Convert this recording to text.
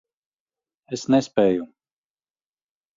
Es nespēju.